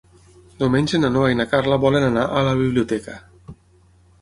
Diumenge na Noa i na Carla volen anar a la biblioteca.